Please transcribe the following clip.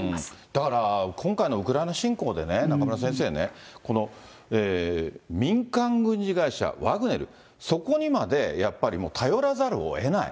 だから今回のウクライナ侵攻でね、中村先生ね、この民間軍事会社、ワグネル、そこにまで、やっぱり頼らざるをえない。